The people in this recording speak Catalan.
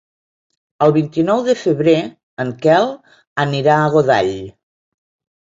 El vint-i-nou de febrer en Quel anirà a Godall.